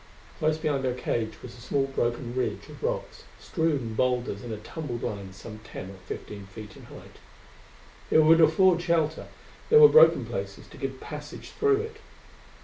Close behind our cage was a small broken ridge of rocks strewn boulders in a tumbled line some ten or fifteen feet in height. It would afford shelter: there were broken places to give passage through it.